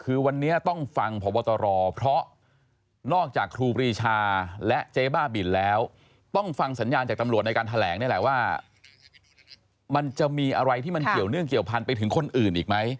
ขือวันนี้ต้องฟังพรพวตรเพราะว่าร่วมต้องฟังผู้ปุริชาและเจบ่าบิลแล้วต้องฟังสัญลัยจากตำรวจในการแสดงว่ามันจะมีอะไรที่มันเกี่ยวเนื่องเกี่ยวพันธุ์ไปถึงคนอื่นอีกไหม